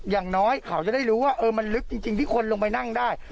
อย่างน้อยเขาจะได้รู้ว่ามันลึกจริงที่คนลงไปนั่งได้